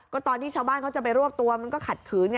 ก็ตอนที่ชาวบ้านเขาจะไปรวบตัวมันก็ขัดขืนไง